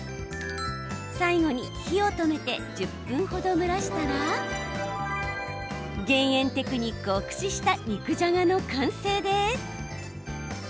最後に火を止めて１０分程、蒸らしたら減塩テクニックを駆使した肉じゃがの完成です。